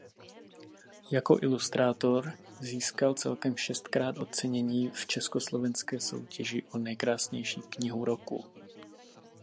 Jako ilustrátor získal celkem šestkrát ocenění v československé soutěži o Nejkrásnější knihu roku.